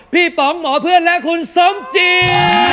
ป๋องหมอเพื่อนและคุณสมจี